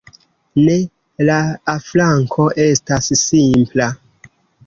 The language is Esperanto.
Ne, la afranko estas simpla.